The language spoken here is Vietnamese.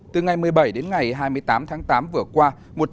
từ ngày một mươi bảy đến ngày hai mươi tám tháng tám vừa qua